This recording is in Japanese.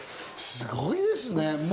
すごいですね。